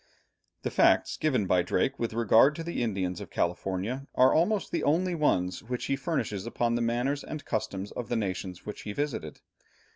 The facts given by Drake with regard to the Indians of California are almost the only ones which he furnishes upon the manners and customs of the nations which he visited.